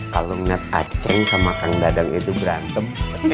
kalau net aceh sama kang dadang itu berantem